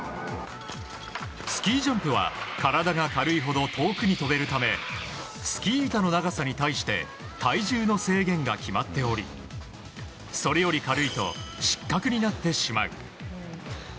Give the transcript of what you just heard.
スキージャンプは体が軽いほど遠くに飛べるためスキー板の長さに対して体重の制限が決まっておりそれより軽いと失格になってしまう。